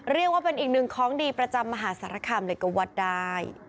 เรียกว่าเป็นอีกหนึ่งของดีประจำมหาสารคามเลยก็วัดได้